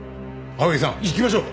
青柳さん行きましょう！